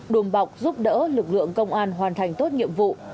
đùm bọc giúp đỡ lực lượng công an hoàn thành tốt nhiệm vụ